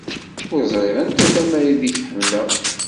Ur ẓriɣ anta tama ideg hemmleɣ.